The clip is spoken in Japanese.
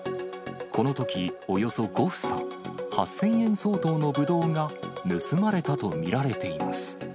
このとき、およそ５房、８０００円相当のぶどうが盗まれたと見られています。